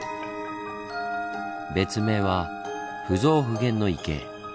別名は「不増不減の池」。